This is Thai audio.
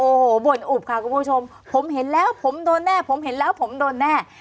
โอ้โหบ่นอุบค่ะคุณผู้ชมผมเห็นแล้วผมโดนแน่ผมเห็นแล้วผมโดนแน่